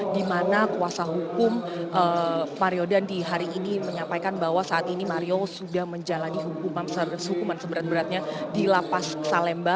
di mana kuasa hukum mario dandi hari ini menyampaikan bahwa saat ini mario sudah menjalani hukuman seberat beratnya di lapas salemba